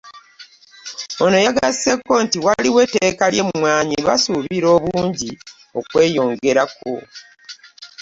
Ono yagasseeko nti waliwo etteeka ly'emmwanyi basuubira obungi okweyongerako.